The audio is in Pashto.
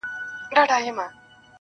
پرېميږده ، پرېميږده سزا ده د خداى.